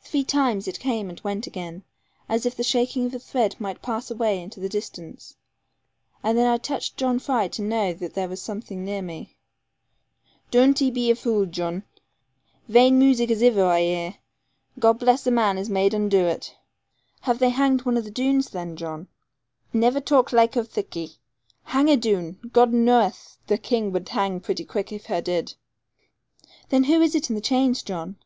Three times it came and went again, as the shaking of a thread might pass away into the distance; and then I touched John Fry to know that there was something near me. 'Doon't 'e be a vule, Jan! Vaine moozick as iver I 'eer. God bless the man as made un doo it.' 'Have they hanged one of the Doones then, John?' 'Hush, lad; niver talk laike o' thiccy. Hang a Doone! God knoweth, the King would hang pretty quick if her did.' 'Then who is it in the chains, John?'